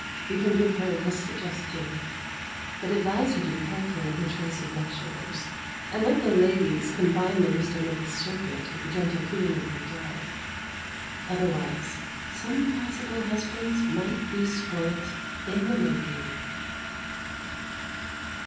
You can give her this suggestion, but advise her to be careful in her choice of lecturers, and let the ladies combine the wisdom of the serpent with the gentle cooing of the dove; otherwise, some possible husbands might be spoilt in the making.